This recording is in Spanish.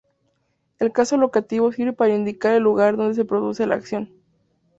El caso locativo sirve para indicar el lugar donde se produce la acción.